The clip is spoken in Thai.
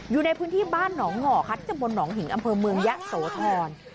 อยู่ในพื้นที่บ้านหนองห่อคัดมลหนองหิงอำเภอเมืองยะโสธร